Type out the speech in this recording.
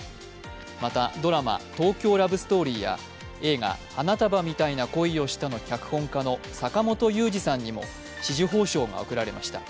またドラマ「東京ラブストーリー」や映画「花束みたいな恋をした」の脚本家の坂元裕二さんにも紫綬褒章が贈られました。